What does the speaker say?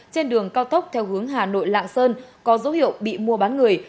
trên đường cao tốc theo hướng hà nội lạng sơn có dấu hiệu bị mua bán người